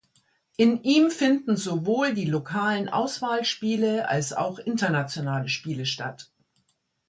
In ihm finden sowohl die lokalen Auswahlspiele als auch internationale Spiele statt.